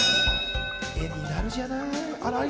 絵になるじゃない。